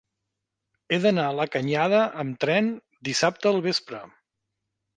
He d'anar a la Canyada amb tren dissabte al vespre.